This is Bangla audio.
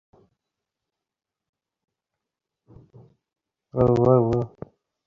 পত্রে লিখিত ঠিকানাটি সে মুখস্থ করিয়া লইল।